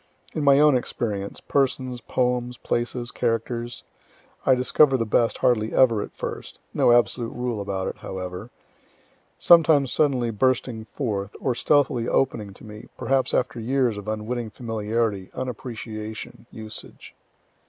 In my own experience, (persons, poems, places, characters,) I discover the best hardly ever at first, (no absolute rule about it, however,) sometimes suddenly bursting forth, or stealthily opening to me, perhaps after years of unwitting familiarity, unappreciation, usage.